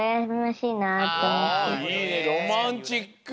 いいねロマンチック。